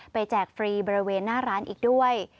แจกฟรีบริเวณหน้าร้านอีกด้วย